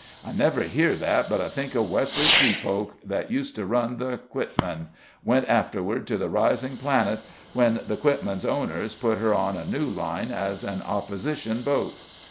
"I never hear that but I think of Wesley Treepoke, that used to run the Quitman; went afterward to the Rising Planet, when the Quitman's owners put her on a new line as an opposition boat.